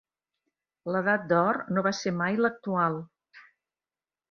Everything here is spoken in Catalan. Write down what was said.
L'edat d'or no va ser mai l'actual.